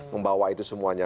karena itu semuanya